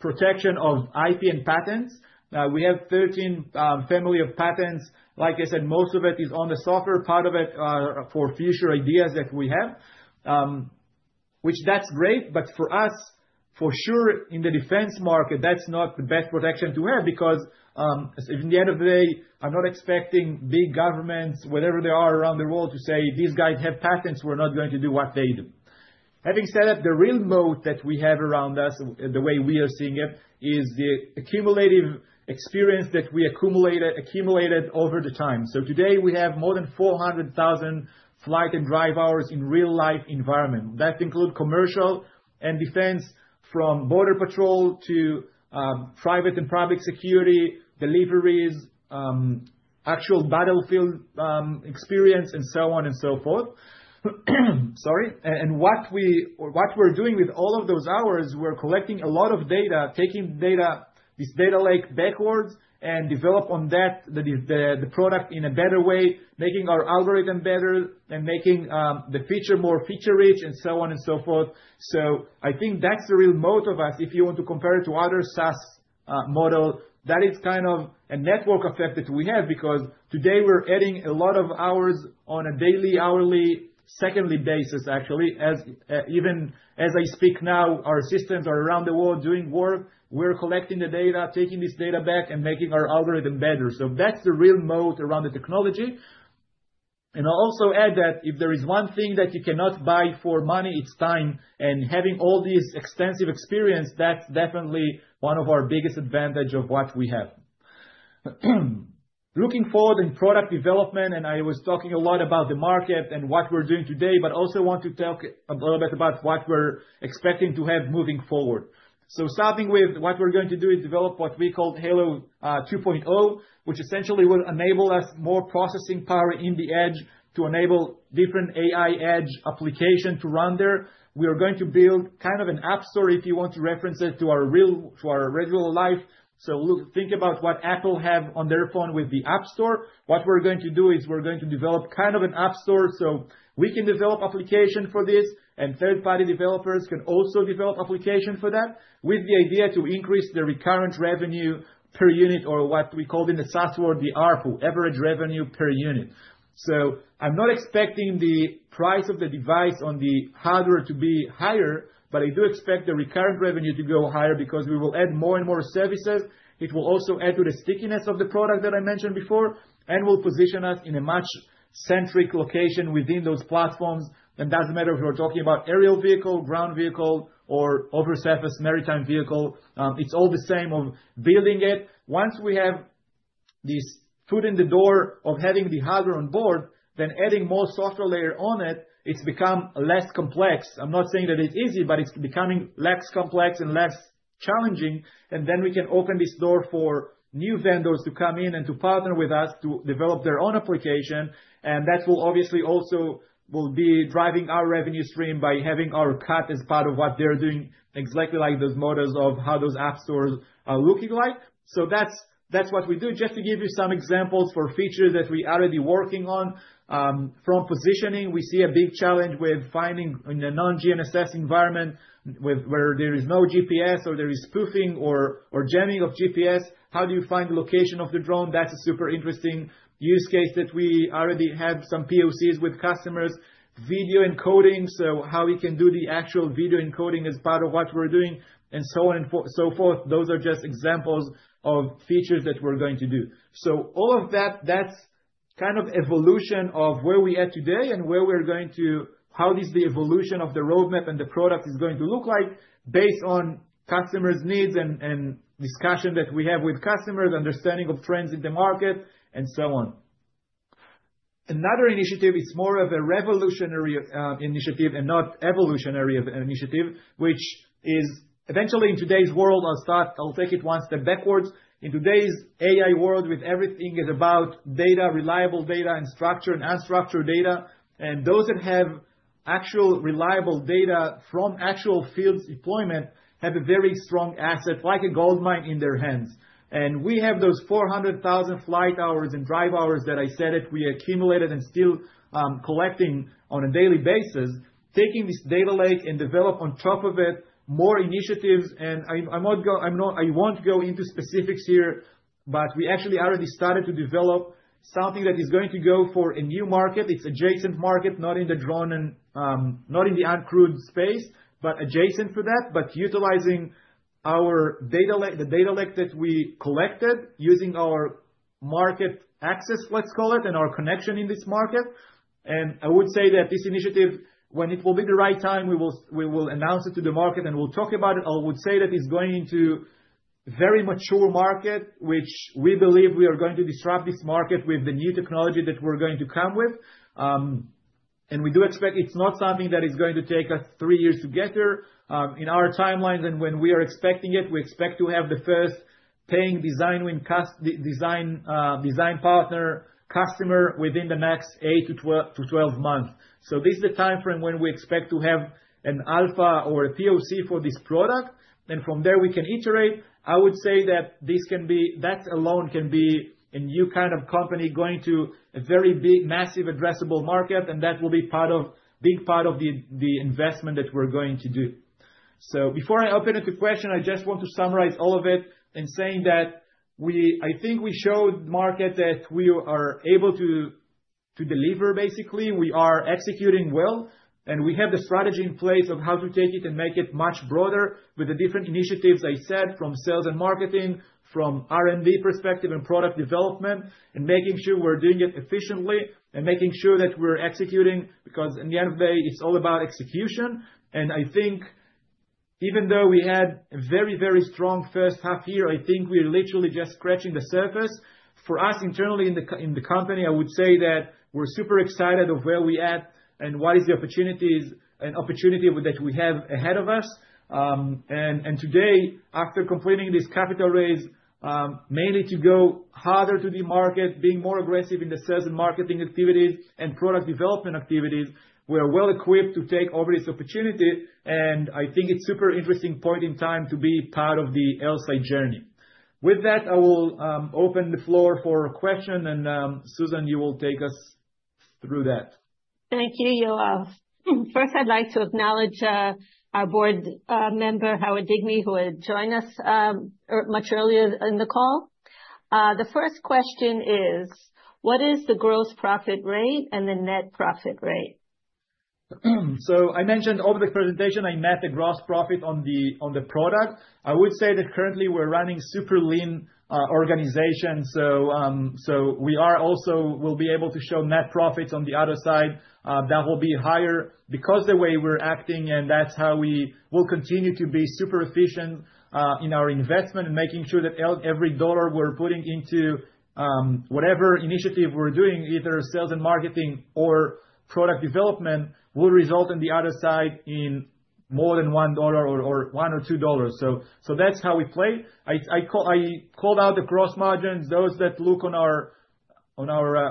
protection of IP and patents. We have 13 families of patents. Like I said, most of it is on the software part of it for future ideas that we have, which that's great. But for us, for sure, in the defense market, that's not the best protection to have because in the end of the day, I'm not expecting big governments, whatever they are around the world, to say, "These guys have patents. We're not going to do what they do." Having said that, the real moat that we have around us, the way we are seeing it, is the accumulative experience that we accumulated over the time. So today, we have more than 400,000 flight and drive hours in real-life environments. That includes commercial and defense from border patrol to private and public security deliveries, actual battlefield experience, and so on and so forth. Sorry. What we're doing with all of those hours, we're collecting a lot of data, taking this data lake backwards and developing on that the product in a better way, making our algorithm better and making the feature more feature-rich and so on and so forth. I think that's the real motive of us. If you want to compare it to other SaaS models, that is kind of a network effect that we have because today we're adding a lot of hours on a daily, hourly, secondly basis, actually. Even as I speak now, our systems are around the world doing work. We're collecting the data, taking this data back, and making our algorithm better. That's the real motive around the technology. I'll also add that if there is one thing that you cannot buy for money, it's time. Having all this extensive experience, that's definitely one of our biggest advantages of what we have. Looking forward in product development, and I was talking a lot about the market and what we're doing today, but also want to talk a little bit about what we're expecting to have moving forward. Starting with what we're going to do is develop what we call Halo 2.0, which essentially will enable us more processing power in the edge to enable different AI edge applications to run there. We are going to build kind of an App Store, if you want to reference it, to our real life. Think about what Apple has on their phone with the App Store. What we're going to do is we're going to develop kind of an App Store so we can develop applications for this, and third-party developers can also develop applications for that with the idea to increase the recurrent revenue per unit or what we call in the SaaS world, the ARPU, average revenue per unit. So I'm not expecting the price of the device on the hardware to be higher, but I do expect the recurrent revenue to go higher because we will add more and more services. It will also add to the stickiness of the product that I mentioned before and will position us in a much centric location within those platforms, and it doesn't matter if we're talking about aerial vehicle, ground vehicle, or over-surface maritime vehicle. It's all the same of building it. Once we have this foot in the door of having the hardware on board, then adding more software layer on it, it's become less complex. I'm not saying that it's easy, but it's becoming less complex and less challenging, and then we can open this door for new vendors to come in and to partner with us to develop their own application, and that will obviously also be driving our revenue stream by having our cut as part of what they're doing, exactly like those models of how those App Stores are looking like, so that's what we do. Just to give you some examples for features that we are already working on, from positioning, we see a big challenge with finding in a non-GNSS environment where there is no GPS or there is spoofing or jamming of GPS. How do you find the location of the drone? That's a super interesting use case that we already have some POCs with customers. Video encoding, so how we can do the actual video encoding as part of what we're doing and so on and so forth. Those are just examples of features that we're going to do. So all of that, that's kind of evolution of where we are today and where we're going to, how is the evolution of the roadmap and the product is going to look like based on customers' needs and discussion that we have with customers, understanding of trends in the market, and so on. Another initiative, it's more of a revolutionary initiative and not evolutionary initiative, which is eventually in today's world, I'll start, I'll take it one step backwards. In today's AI world, everything is about data, reliable data and structured and unstructured data. Those that have actual reliable data from actual fields deployment have a very strong asset like a gold mine in their hands. We have those 400,000 flight hours and drive hours that I said that we accumulated and still collecting on a daily basis, taking this data lake and developing on top of it more initiatives. I won't go into specifics here, but we actually already started to develop something that is going to go for a new market. It's adjacent market, not in the drone and not in the uncrewed space, but adjacent to that, but utilizing the data lake that we collected using our market access, let's call it, and our connection in this market. I would say that this initiative, when it will be the right time, we will announce it to the market and we'll talk about it. I would say that it's going into a very mature market, which we believe we are going to disrupt this market with the new technology that we're going to come with, and we do expect it's not something that is going to take us three years to get there in our timelines, and when we are expecting it, we expect to have the first paying design partner customer within the next eight to 12 months, so this is the timeframe when we expect to have an alpha or a POC for this product, and from there, we can iterate. I would say that this can be, that alone can be a new kind of company going to a very big, massive, addressable market, and that will be a big part of the investment that we're going to do. So before I open it to question, I just want to summarize all of it in saying that I think we showed the market that we are able to deliver, basically. We are executing well, and we have the strategy in place of how to take it and make it much broader with the different initiatives I said from sales and marketing, from R&D perspective and product development, and making sure we're doing it efficiently and making sure that we're executing because in the end of the day, it's all about execution. And I think even though we had a very, very strong first half year, I think we're literally just scratching the surface. For us internally in the company, I would say that we're super excited of where we're at and what is the opportunity that we have ahead of us. Today, after completing this capital raise, mainly to go harder to the market, being more aggressive in the sales and marketing activities and product development activities, we are well equipped to take over this opportunity. I think it's a super interesting point in time to be part of the Elsight journey. With that, I will open the floor for questions, and Susan, you will take us through that. Thank you, Yoav. First, I'd like to acknowledge our board member, Howard Digby, who had joined us much earlier in the call. The first question is, what is the gross profit rate and the net profit rate? So, I mentioned over the presentation, I mean the gross profit on the product. I would say that currently we're running a super lean organization. So we also will be able to show net profits on the other side that will be higher because of the way we're acting, and that's how we will continue to be super-efficient in our investment and making sure that every dollar we're putting into whatever initiative we're doing, either sales and marketing or product development, will result on the other side in more than $1 or $1 or $2. That's how we play. I called out the gross margins. Those that look on our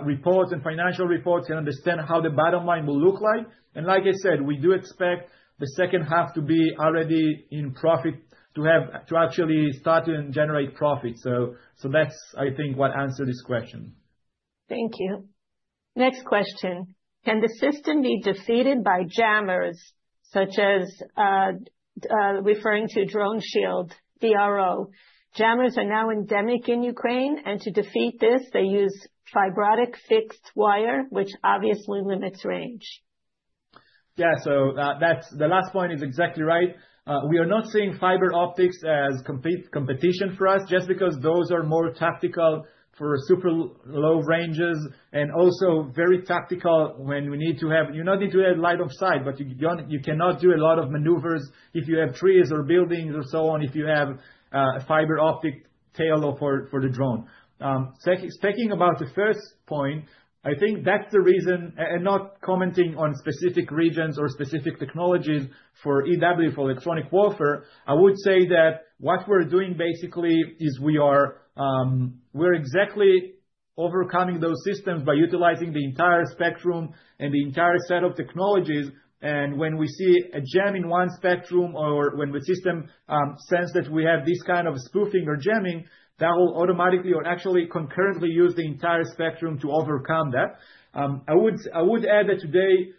reports and financial reports can understand how the bottom line will look like. Like I said, we do expect the second half to be already in profit to actually start to generate profits. That's, I think, what answered this question. Thank you. Next question. Can the system be defeated by jammers, such as referring to DroneShield, DRO? Jammers are now endemic in Ukraine, and to defeat this, they use fiber optic fixed wire, which obviously limits range. Yeah, so the last point is exactly right. We are not seeing fiber optics as competition for us just because those are more tactical for super low ranges and also very tactical when we need to not need to have line of sight, but you cannot do a lot of maneuvers if you have trees or buildings or so on if you have a fiber optic tail for the drone. Speaking about the first point, I think that's the reason, and not commenting on specific regions or specific technologies for EW, for electronic warfare, I would say that what we're doing basically is we are exactly overcoming those systems by utilizing the entire spectrum and the entire set of technologies. When we see a jam in one spectrum or when the system senses that we have this kind of spoofing or jamming, that will automatically or actually concurrently use the entire spectrum to overcome that. I would add that today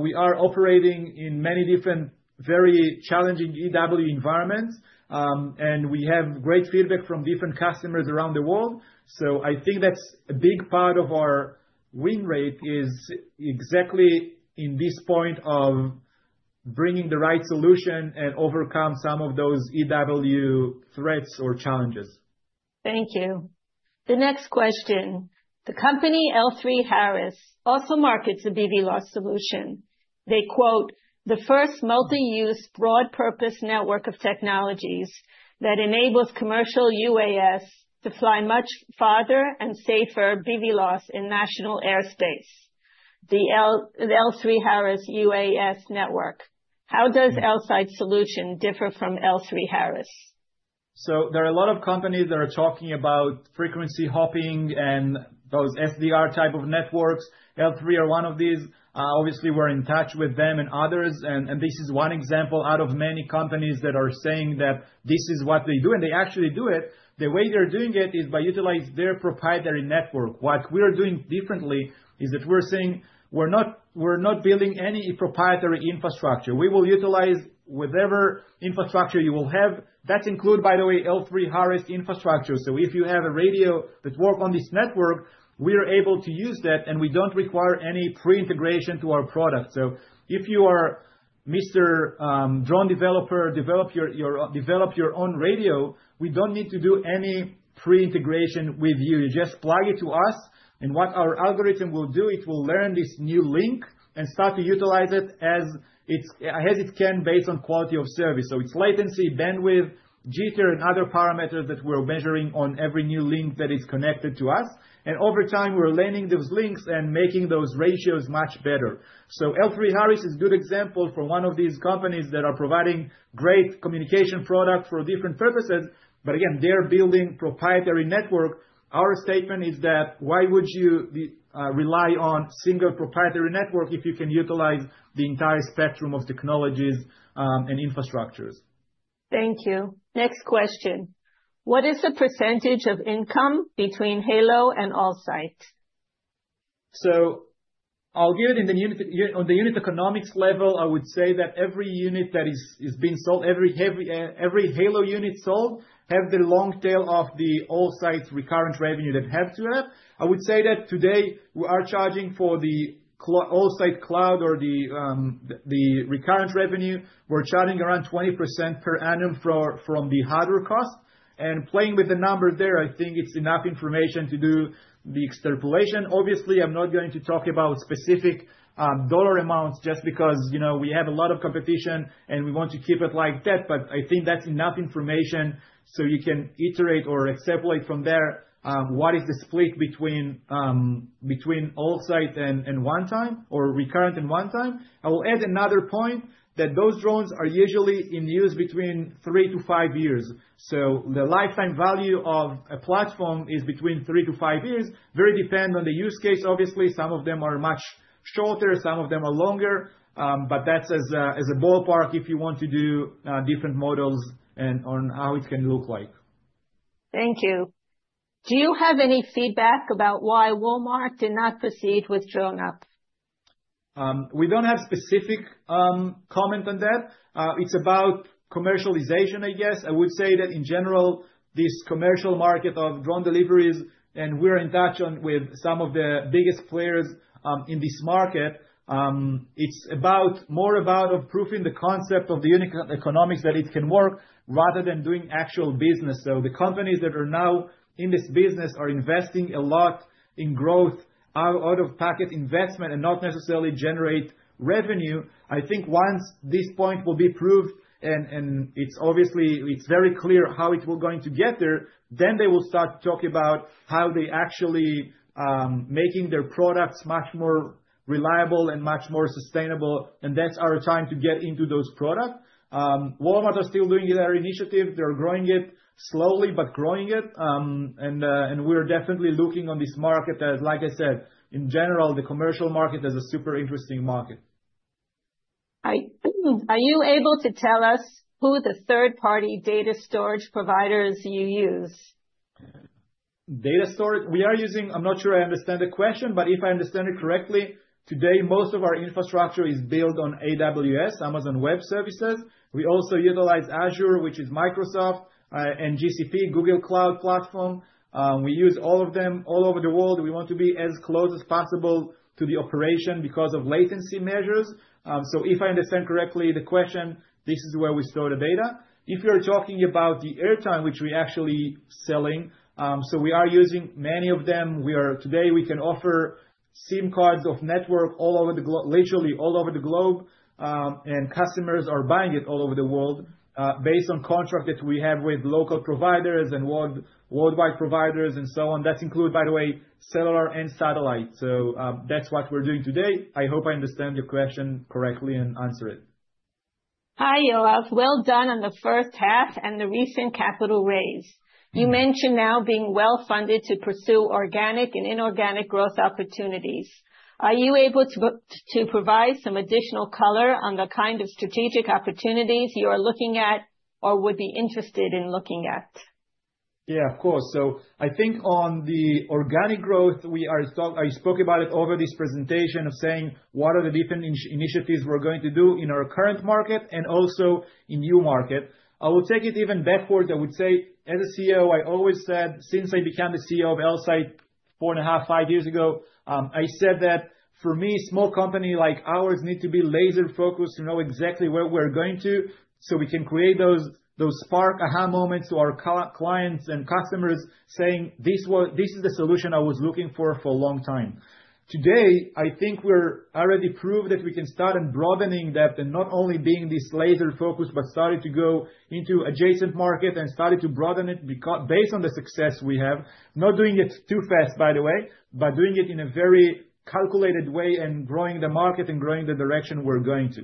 we are operating in many different very challenging EW environments, and we have great feedback from different customers around the world. So I think that's a big part of our win rate is exactly in this point of bringing the right solution and overcoming some of those EW threats or challenges. Thank you. The next question. The company L3Harris also markets a BVLOS solution. They quote, "The first multi-use broad-purpose network of technologies that enables commercial UAS to fly much farther and safer BVLOS in national airspace, the L3Harris UAS network." How does Elsight solution differ from L3Harris? So there are a lot of companies that are talking about frequency hopping and those SDR type of networks. L3Harris is one of these. Obviously, we're in touch with them and others. And this is one example out of many companies that are saying that this is what they do, and they actually do it. The way they're doing it is by utilizing their proprietary network. What we're doing differently is that we're saying we're not building any proprietary infrastructure. We will utilize whatever infrastructure you will have. That's included, by the way, L3Harris infrastructure. So if you have a radio that works on this network, we are able to use that, and we don't require any pre-integration to our product. So if you are Mr. Drone Developer, develop your own radio, we don't need to do any pre-integration with you. You just plug it to us, and what our algorithm will do, it will learn this new link and start to utilize it as it can based on quality of service. So it's latency, bandwidth, jitter, and other parameters that we're measuring on every new link that is connected to us. And over time, we're learning those links and making those ratios much better. So L3Harris is a good example for one of these companies that are providing great communication products for different purposes. But again, they're building a proprietary network. Our statement is that, why would you rely on a single proprietary network if you can utilize the entire spectrum of technologies and infrastructures? Thank you. Next question. What is the percentage of income between Halo and Elsight? So, I'll give it on the unit economics level. I would say that every unit that has been sold, every Halo unit sold, has the long tail of the Elsight's recurrent revenue that it has to have. I would say that today we are charging for the Elsight cloud or the recurrent revenue; we're charging around 20% per annum from the hardware cost, and playing with the numbers there, I think it's enough information to do the extrapolation. Obviously, I'm not going to talk about specific dollar amounts just because we have a lot of competition and we want to keep it like that, but I think that's enough information so you can iterate or extrapolate from there what is the split between Elsight and one-time or recurrent and one-time. I will add another point that those drones are usually in use between three to five years. The lifetime value of a platform is between three to five years, very dependent on the use case, obviously. Some of them are much shorter, some of them are longer, but that's as a ballpark if you want to do different models and on how it can look like. Thank you. Do you have any feedback about why Walmart did not proceed with DroneUp? We don't have a specific comment on that. It's about commercialization, I guess. I would say that in general, this commercial market of drone deliveries, and we're in touch with some of the biggest players in this market. It's more about proving the concept of the unit economics that it can work rather than doing actual business. So the companies that are now in this business are investing a lot in growth out-of-pocket investment and not necessarily generate revenue. I think once this point will be proved and it's obviously very clear how it will going to get there, then they will start talking about how they actually are making their products much more reliable and much more sustainable. And that's our time to get into those products. Walmart is still doing their initiative. They're growing it slowly, but growing it. And we're definitely looking on this market as, like I said, in general, the commercial market is a super interesting market. Are you able to tell us who the third-party data storage providers you use? Data storage, we are using, I'm not sure I understand the question, but if I understand it correctly, today most of our infrastructure is built on AWS, Amazon Web Services. We also utilize Azure, which is Microsoft, and GCP, Google Cloud Platform. We use all of them all over the world. We want to be as close as possible to the operation because of latency measures. So if I understand correctly the question, this is where we store the data. If you're talking about the airtime, which we actually are selling, so we are using many of them. Today, we can offer SIM cards of network all over the globe, literally all over the globe, and customers are buying it all over the world based on contracts that we have with local providers and worldwide providers and so on. That's included, by the way, cellular and satellite. So that's what we're doing today. I hope I understand your question correctly and answer it. Hi, Yoav. Well done on the first half and the recent capital raise. You mentioned now being well-funded to pursue organic and inorganic growth opportunities. Are you able to provide some additional color on the kind of strategic opportunities you are looking at or would be interested in looking at? Yeah, of course. So I think on the organic growth, I spoke about it over this presentation of saying what are the different initiatives we're going to do in our current market and also in new market. I will take it even backwards. I would say as a CEO, I always said since I became the CEO of Elsight four and a half, five years ago, I said that for me, a small company like ours needs to be laser-focused to know exactly where we're going to so we can create those spark aha moments to our clients and customers saying, "This is the solution I was looking for for a long time." Today, I think we're already proved that we can start broadening that and not only being this laser-focused, but starting to go into adjacent markets and starting to broaden it based on the success we have, not doing it too fast, by the way, but doing it in a very calculated way and growing the market and growing the direction we're going to.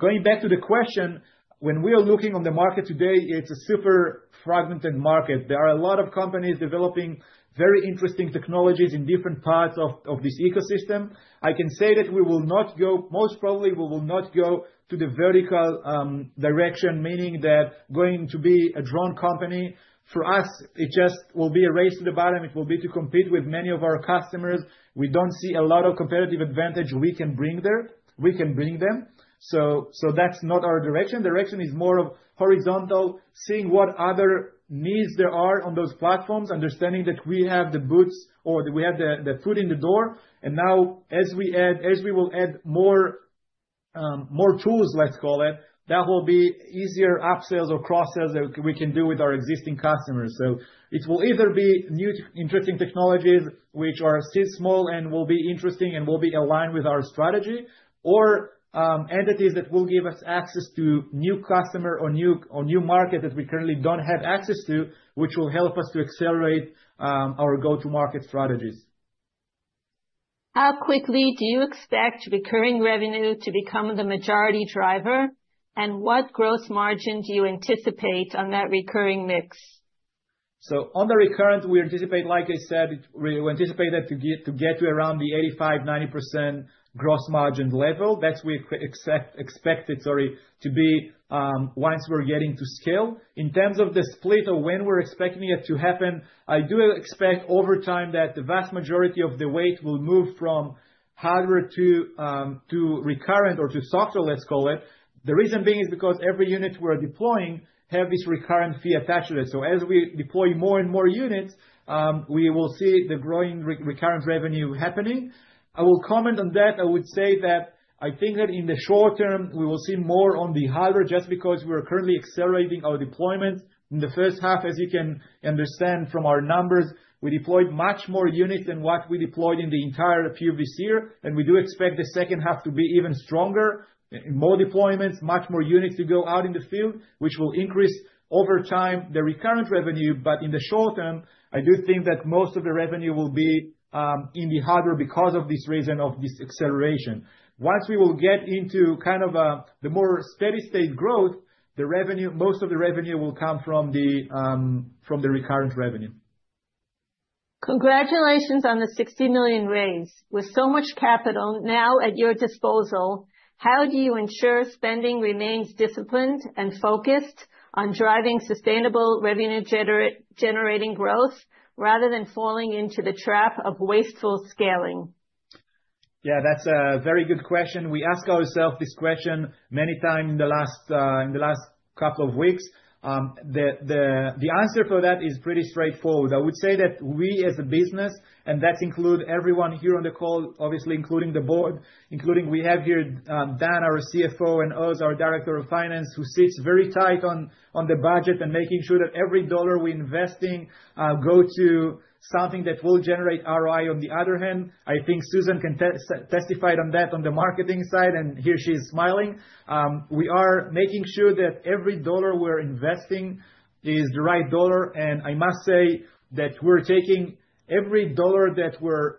Going back to the question, when we are looking on the market today, it's a super fragmented market. There are a lot of companies developing very interesting technologies in different parts of this ecosystem. I can say that we will not go, most probably we will not go to the vertical direction, meaning that going to be a drone company for us, it just will be a race to the bottom. It will be to compete with many of our customers. We don't see a lot of competitive advantage we can bring there. We can bring them. So that's not our direction. Direction is more of horizontal, seeing what other needs there are on those platforms, understanding that we have the foot in the door. Now, as we will add more tools, let's call it, that will be easier upsells or cross-sells that we can do with our existing customers. It will either be new, interesting technologies, which are still small and will be interesting and will be aligned with our strategy, or entities that will give us access to new customers or new markets that we currently don't have access to, which will help us to accelerate our go-to-market strategies. How quickly do you expect recurring revenue to become the majority driver? What gross margin do you anticipate on that recurring mix? On the recurring, we anticipate, like I said, we anticipate that to get to around the 85%-90% gross margin level. That's what we expect it, sorry, to be once we're getting to scale. In terms of the split of when we're expecting it to happen, I do expect over time that the vast majority of the weight will move from hardware to recurrent or to software, let's call it. The reason being is because every unit we're deploying has this recurrent fee attached to it. So as we deploy more and more units, we will see the growing recurrent revenue happening. I will comment on that. I would say that I think that in the short term, we will see more on the hardware just because we are currently accelerating our deployments. In the first half, as you can understand from our numbers, we deployed much more units than what we deployed in the entire previous year. And we do expect the second half to be even stronger, more deployments, much more units to go out in the field, which will increase over time the recurrent revenue. But in the short term, I do think that most of the revenue will be in the hardware because of this reason of this acceleration. Once we will get into kind of the more steady-state growth, most of the revenue will come from the recurrent revenue. Congratulations on the $60 million raise. With so much capital now at your disposal, how do you ensure spending remains disciplined and focused on driving sustainable revenue-generating growth rather than falling into the trap of wasteful scaling? Yeah, that's a very good question. We ask ourselves this question many times in the last couple of weeks. The answer for that is pretty straightforward. I would say that we as a business, and that includes everyone here on the call, obviously including the board, including we have here Dan, our CFO, and Oz, our Director of Finance, who sits very tight on the budget and making sure that every dollar we're investing goes to something that will generate ROI. On the other hand, I think Susan can testify on that on the marketing side, and here she is smiling. We are making sure that every dollar we're investing is the right dollar, and I must say that we're taking every dollar that we're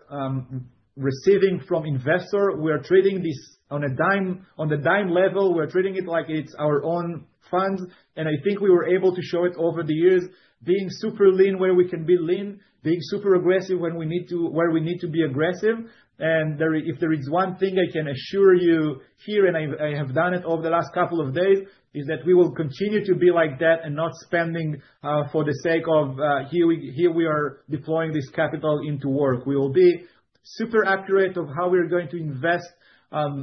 receiving from investors. We're treating this on a dime level. We're treating it like it's our own funds, and I think we were able to show it over the years, being super lean where we can be lean, being super aggressive when we need to be aggressive. And if there is one thing I can assure you here, and I have done it over the last couple of days, is that we will continue to be like that and not spending for the sake of, "Here we are deploying this capital into work." We will be super accurate of how we're going to invest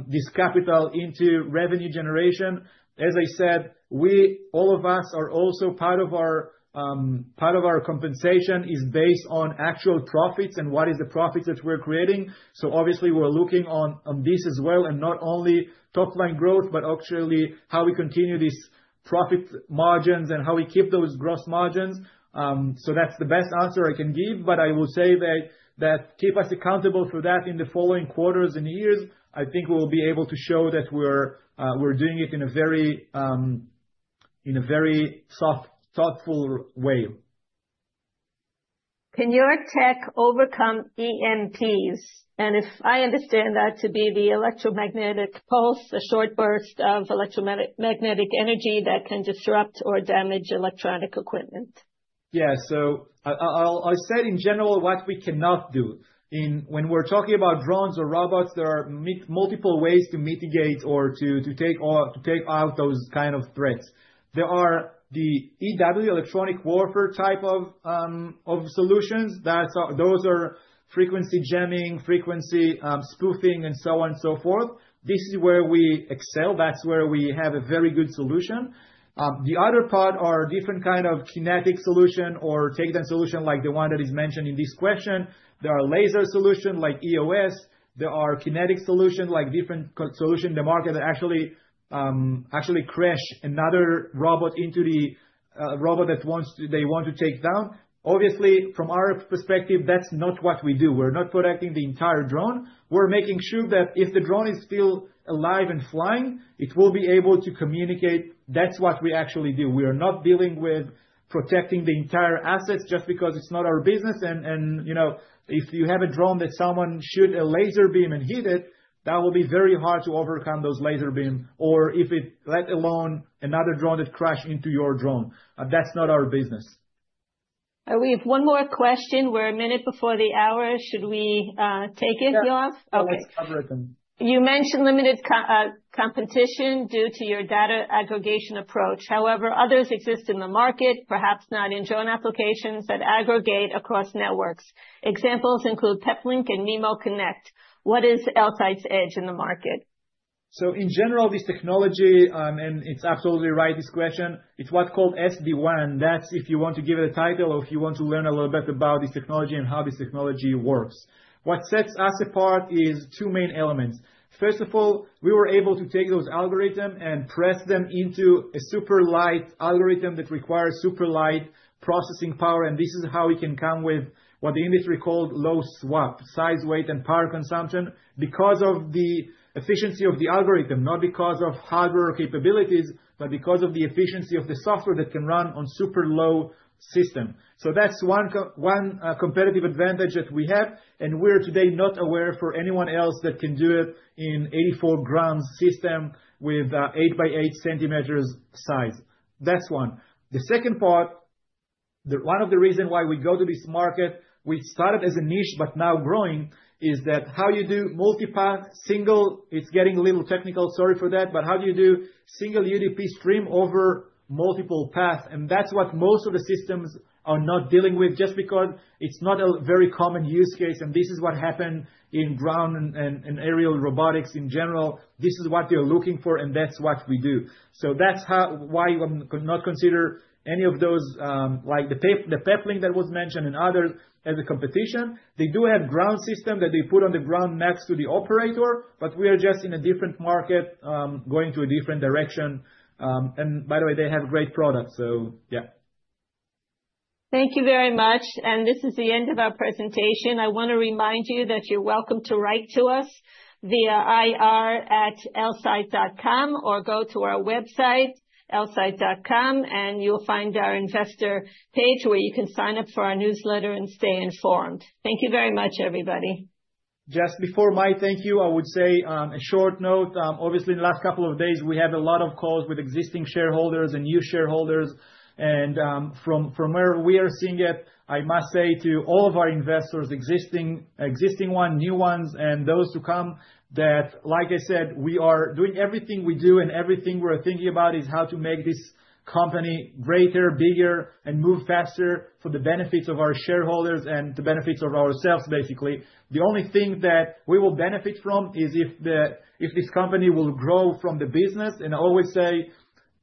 this capital into revenue generation. As I said, all of us are also part of our compensation is based on actual profits and what is the profits that we're creating. So obviously, we're looking on this as well, and not only top-line growth, but actually how we continue these profit margins and how we keep those gross margins. So that's the best answer I can give. But I will say that keep us accountable for that in the following quarters and years. I think we'll be able to show that we're doing it in a very thoughtful way. Can your tech overcome EMPs? And if I understand that to be the electromagnetic pulse, a short burst of electromagnetic energy that can disrupt or damage electronic equipment. Yeah. So I said in general what we cannot do. When we're talking about drones or robots, there are multiple ways to mitigate or to take out those kinds of threats. There are the EW, electronic warfare type of solutions. Those are frequency jamming, frequency spoofing, and so on and so forth. This is where we excel. That's where we have a very good solution. The other part are different kinds of kinetic solutions or takedown solutions like the one that is mentioned in this question. There are laser solutions like EOS. There are kinetic solutions like different solutions in the market that actually crash another robot into the robot that they want to take down. Obviously, from our perspective, that's not what we do. We're not protecting the entire drone. We're making sure that if the drone is still alive and flying, it will be able to communicate. That's what we actually do. We are not dealing with protecting the entire assets just because it's not our business. And if you have a drone that someone shoots a laser beam and hits it, that will be very hard to overcome those laser beams, or if it, let alone another drone that crashes into your drone. That's not our business. We have one more question. We're a minute before the hour. Should we take it, Yoav? Yeah. Let's cover it then. You mentioned limited competition due to your data aggregation approach. However, others exist in the market, perhaps not in drone applications that aggregate across networks. Examples include Peplink and MIMO Connect. What is Elsight's edge in the market? So in general, this technology, and it's absolutely right, this question, it's what's called SD-WAN. That's if you want to give it a title or if you want to learn a little bit about this technology and how this technology works. What sets us apart is two main elements. First of all, we were able to take those algorithms and press them into a super light algorithm that requires super light processing power. And this is how we can come with what the industry called low SWaP, size, weight, and power consumption because of the efficiency of the algorithm, not because of hardware capabilities, but because of the efficiency of the software that can run on a super low system. So that's one competitive advantage that we have. And we're today not aware of anyone else that can do it in an 84-gram system with an 8 by 8 centimeters size. That's one. The second part, one of the reasons why we go to this market, we started as a niche, but now growing, is that how you do multi-path, single, it's getting a little technical, sorry for that, but how do you do single UDP stream over multiple paths? And that's what most of the systems are not dealing with just because it's not a very common use case. And this is what happened in ground and aerial robotics in general. This is what they're looking for, and that's what we do. So that's why I'm not considering any of those, like the Peplink that was mentioned and others as a competition. They do have a ground system that they put on the ground next to the operator, but we are just in a different market, going to a different direction. And by the way, they have great products. So yeah. Thank you very much. And this is the end of our presentation. I want to remind you that you're welcome to write to us via ir@elsight.com or go to our website, elsight.com, and you'll find our investor page where you can sign up for our newsletter and stay informed. Thank you very much, everybody. Just before my thank you, I would say a short note. Obviously, in the last couple of days, we had a lot of calls with existing shareholders and new shareholders. From where we are seeing it, I must say to all of our investors, existing ones, new ones, and those to come, that like I said, we are doing everything we do and everything we're thinking about is how to make this company greater, bigger, and move faster for the benefits of our shareholders and the benefits of ourselves, basically. The only thing that we will benefit from is if this company will grow from the business. I always say,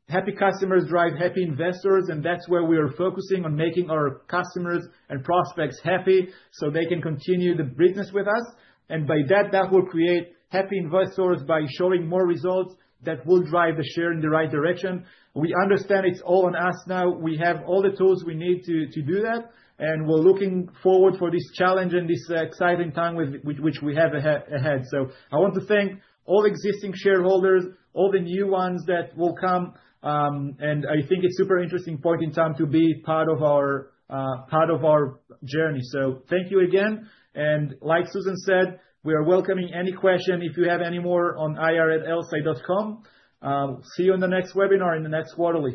happy customers drive happy investors, and that's where we are focusing on making our customers and prospects happy so they can continue the business with us. By that, that will create happy investors by showing more results that will drive the share in the right direction. We understand it's all on us now. We have all the tools we need to do that. We're looking forward to this challenge and this exciting time which we have ahead. So I want to thank all existing shareholders, all the new ones that will come. I think it's a super interesting point in time to be part of our journey. So thank you again. Like Susan said, we are welcoming any questions. If you have any more on ir@elsight.com, see you in the next webinar in the next quarter.